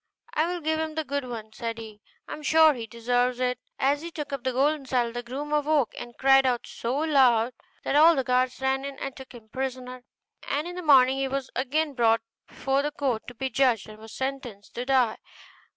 'I will give him the good one,' said he; 'I am sure he deserves it.' As he took up the golden saddle the groom awoke and cried out so loud, that all the guards ran in and took him prisoner, and in the morning he was again brought before the court to be judged, and was sentenced to die.